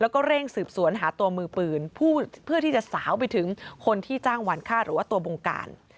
แล้วก็เร่งสืบสวนหาตัวมือปืนเพื่อที่จะสาวไปถึงคนที่จ้างหวานฆ่าหรือว่าตัวบงการ